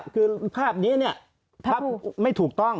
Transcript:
คือภาพนี้เนี่ยภาพไม่ถูกต้อง